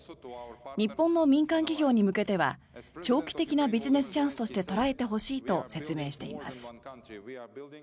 日本の民間企業に向けては長期的なビジネスチャンスとして捉えてほしいと説明しています。